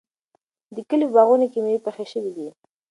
د کلي په باغونو کې مېوې پخې شوې دي.